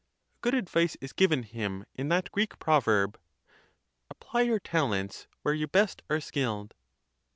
Good advice is given him in that Greek proverb, Apply your talents where you best are skill'd.